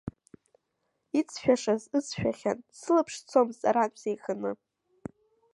Иҵшәашаз ыҵшәахьан сылаԥш, сцомызт арантә сеиханы.